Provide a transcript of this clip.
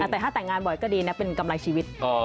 แต่ถ้าแต่งงานบ่อยก็ดีนะเป็นกำลังชีวิต